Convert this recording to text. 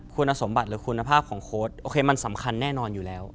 คุณสมบัติหรือคุณภาพของโค้ดโอเคมันสำคัญแน่นอนอยู่แล้ว